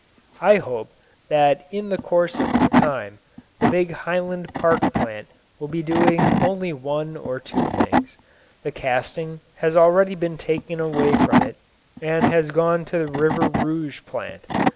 I hope that in the course of time the big Highland Park plant will be doing only one or two things. The casting has already been taken away from it and has gone to the River Rouge plant.